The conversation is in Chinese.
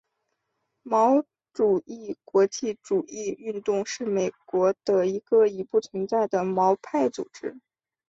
毛主义国际主义运动是美国的一个已不存在的毛派组织。